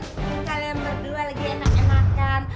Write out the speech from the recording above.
ya ampun kalian berdua lagi enak enakan